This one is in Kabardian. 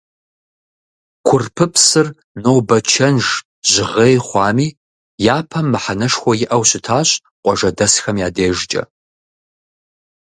Курпыпсыр нобэ чэнж, жьгъей хъуами, япэм мыхьэнэшхуэ иӏэу щытащ къуажэдэсхэм я дежкӏэ.